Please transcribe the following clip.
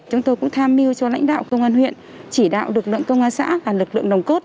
chúng tôi cũng tham mưu cho lãnh đạo công an huyện chỉ đạo lực lượng công an xã là lực lượng nồng cốt